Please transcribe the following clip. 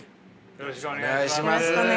よろしくお願いします。